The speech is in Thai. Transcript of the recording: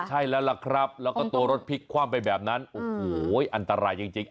ใช่แล้วล่ะครับแล้วก็ตัวรถพลิกคว่ำไปแบบนั้นโอ้โหอันตรายจริง